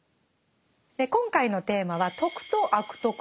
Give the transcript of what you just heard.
今回のテーマは「徳」と「悪徳」です。